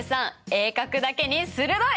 鋭角だけに鋭い！